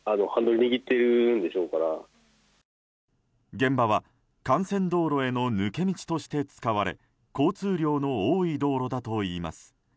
現場は幹線道路への抜け道として使われ交通量の多い道路だといいます。